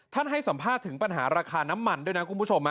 ให้สัมภาษณ์ถึงปัญหาราคาน้ำมันด้วยนะคุณผู้ชม